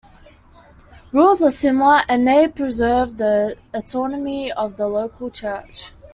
Rules are similar and they preserve the autonomy of the local church.